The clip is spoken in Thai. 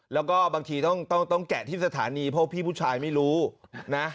แล้วก็บางทีต้องแกะที่สถานีเพราะพี่ผู้ชายไม่รู้นะ